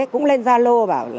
cũng lên gia lô